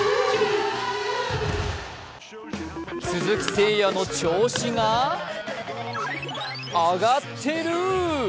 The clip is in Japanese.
鈴木誠也の調子が上がってる！